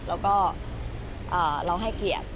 แล้วก็เราให้เกียรติ